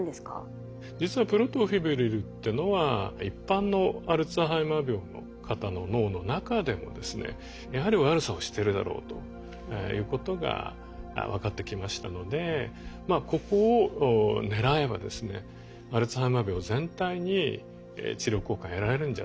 実はプロトフィブリルってのは一般のアルツハイマー病の方の脳の中でもですねやはり悪さをしてるだろうということが分かってきましたのでここを狙えばですねアルツハイマー病全体に治療効果が得られるんじゃないか。